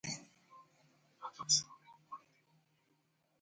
Actualmente se encuentra Sin Club.